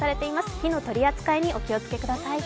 火の取り扱いにお気をつけください。